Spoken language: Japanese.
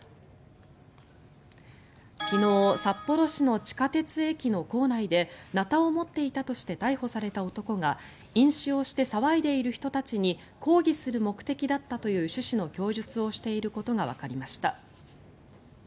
昨日、札幌市の地下鉄駅の構内でナタを持っていたとして逮捕された男が飲酒をして、騒いでいる人たちに抗議する目的だったという趣旨の供述をしていることがわかりました。